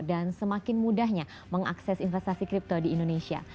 dan semakin mudahnya mengakses investasi crypto di indonesia